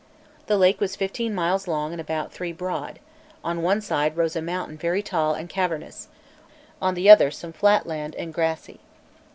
The lake was fifteen miles long and about three broad; on one side rose a mountain very tall and cavernous, on the other some flat land and grassy.